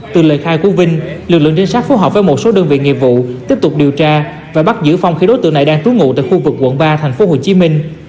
từ lời khai của vinh lực lượng trinh sát phù hợp với một số đơn vị nghiệp vụ tiếp tục điều tra và bắt giữ phòng khi đối tượng này đang trú ngụ tại khu vực quận ba thành phố hồ chí minh